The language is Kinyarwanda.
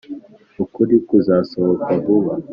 ukuri kuzasohoka vuba